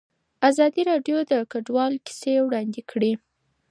ازادي راډیو د کډوال کیسې وړاندې کړي.